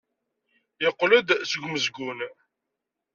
Yeqqel-d seg umezgun.